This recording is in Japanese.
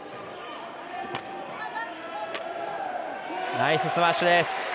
ナイススマッシュです！